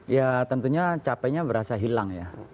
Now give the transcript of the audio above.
ya tentunya capeknya berasa hilang ya